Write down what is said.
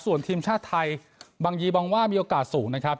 ส่วนทีมชาติไทยบางยีมองว่ามีโอกาสสูงนะครับ